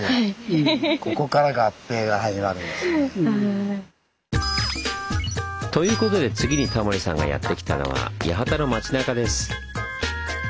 そうですね。ということで次にタモリさんがやって来たのは八幡の町なかです。